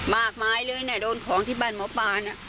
มากมายเลยนะโดนของที่บ้านหมอปลานะ